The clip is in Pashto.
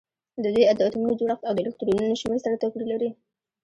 د دوی د اتومونو جوړښت او د الکترونونو شمیر سره توپیر لري